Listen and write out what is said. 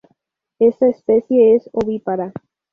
Esta especie es ovípara.